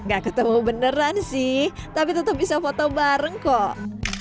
gak ketemu beneran sih tapi tetap bisa foto bareng kok